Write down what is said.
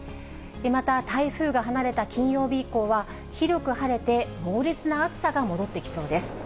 また台風が離れた金曜日以降は、広く晴れて、猛烈な暑さが戻ってきそうです。